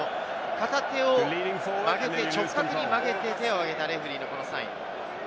片手をあげて直角に曲げて、手を上げたレフェリーのサイン。